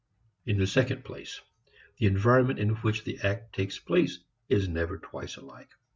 In the second place, the environment in which the act takes place is never twice alike.